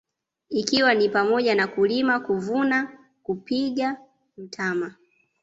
Ikiwa ni pamoja na kulima kuvuna kupiga mtama